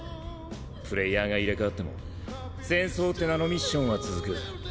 プレーヤーが入れ替わっても戦争って名のミッションは続く。